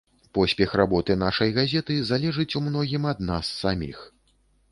Поспех работы нашай газеты залежыць у многім ад нас саміх.